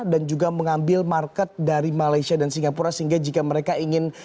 dan juga mengambil market dari malaysia dan singapura sehingga jika mereka ingin